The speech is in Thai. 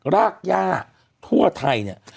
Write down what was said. รากย่าทั่วไทยเนี่ย